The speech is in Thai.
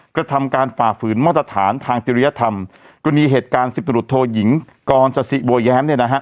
กระทำการฝ่าฝืนมาตรฐานทางจิริยธรรมกรณีเหตุการณ์สิบตรวจโทยิงกรสสิบัวแย้มเนี่ยนะฮะ